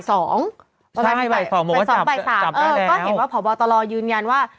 ใช่บ่าย๒โมงบ่าย๓จับกันแล้วเออก็เห็นว่าผอบาวตลอยืนยันว่า